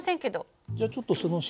じゃちょっとその塩